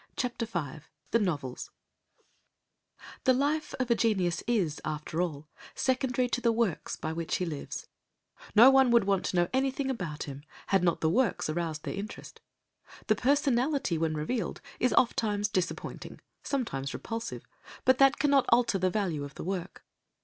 CHAPTER V THE NOVELS The life of a genius is, after all, secondary to the works by which he lives; no one would want to know anything about him had not the works aroused their interest. The personality when revealed is oft times disappointing, sometimes repulsive, but that cannot alter the value of the work.